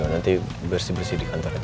nanti bersih bersih di kantor itu